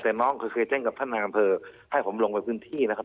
แต่น้องเขาเคยแจ้งกับท่านนามเผอร์ให้ผมลงไปพื้นที่นะครับ